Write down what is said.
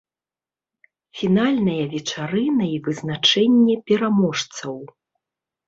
Фінальная вечарына і вызначэнне пераможцаў.